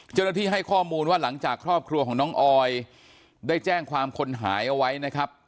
ให้ข้อมูลว่าหลังจากครอบครัวของน้องออยได้แจ้งความคนหายเอาไว้นะครับ